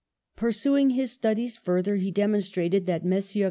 Pursuing his studies further, he demon strated that Messrs.